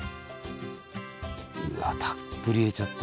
うわたっぷり入れちゃって。